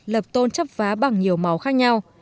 lập tôn chấp vá bằng nhiều màu khác nhau